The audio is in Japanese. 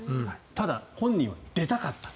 ただ、本人は出たかった。